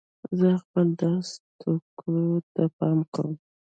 زه خپلو درسي توکو ته پام کوم.